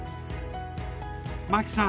マキさん